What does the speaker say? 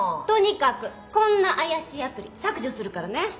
とにかくこんな怪しいアプリ削除するからね。